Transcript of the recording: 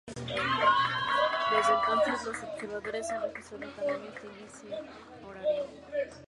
Desde entonces, los observadores han registrado cada año este índice horario.